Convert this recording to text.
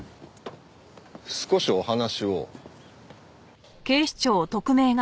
少しお話を。